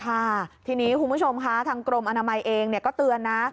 ค่ะทีนี้คุณผู้ชมค่ะทางกรมอนามัยเองก็เตือนนะ